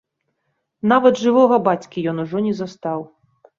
Нават жывога бацькі ён ужо не застаў.